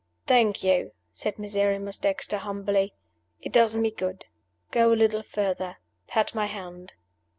"Thank you," said Miserrimus Dexter, humbly. "It does me good. Go a little further. Pat my hand."